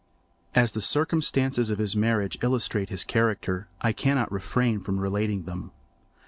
As the circumstances of his marriage illustrate his character, I cannot refrain from relating them.